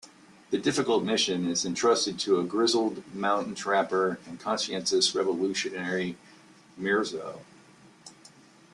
The difficult mission is entrusted to a grizzled mountain trapper and conscientious revolutionary Mirzo.